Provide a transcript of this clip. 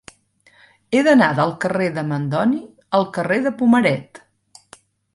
He d'anar del carrer de Mandoni al carrer de Pomaret.